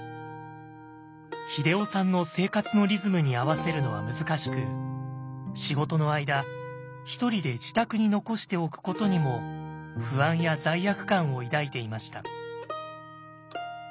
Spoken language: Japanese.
英夫さんの生活のリズムに合わせるのは難しく仕事の間ひとりで自宅に残しておくことにも不安や罪悪感を抱いていました。